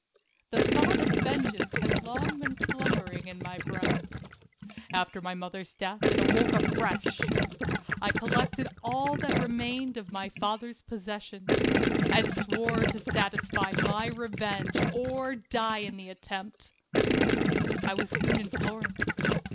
The thought of vengeance had long been slum bering in my breast. After my mother's death it awoke afresh. I collected all that remained of my father's possessions, and swore to satisfy my revenge or die in the attempt. I was soon in Florence.